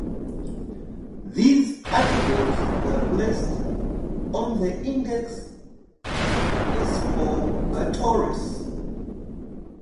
These articles were placed on the "Index Expurgatorius".